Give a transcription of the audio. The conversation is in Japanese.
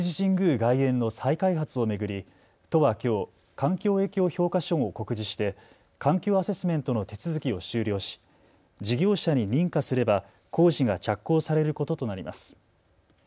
外苑の再開発を巡り都はきょう環境影響評価書を告示して環境アセスメントの手続きを終了し事業者に認可すれば工事が着工されることとなります。